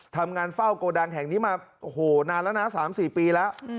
ทำงานเฝ้าโกดังแห่งนี้มาโอ้โหนานแล้วนะ๓๔ปีแล้ว